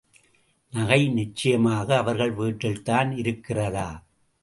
நகை நிச்சயமாக அவர்கள் வீட்டில் தான் இருக்கிறதா?